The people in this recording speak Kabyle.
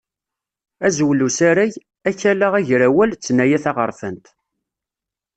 Azwel usarag: Akala agrawal d tnaya taɣerfant.